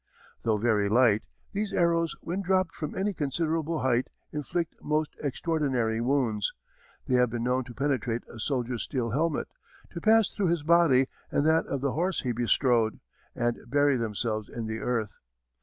Though very light, these arrows when dropped from any considerable height inflict most extraordinary wounds. They have been known to penetrate a soldier's steel helmet, to pass through his body and that of the horse he bestrode, and bury themselves in the earth.